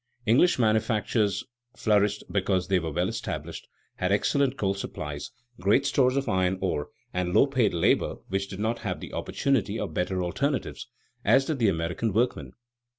English manufactures flourished because they were well established, had excellent coal supplies, great stores of iron ore, and low paid labor which did not have the opportunity of better alternatives, as did the American workman.